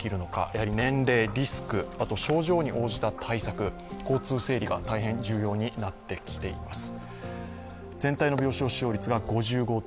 やはり年齢、リスク、症状に応じた対策、交通整理が大変重要になってきています。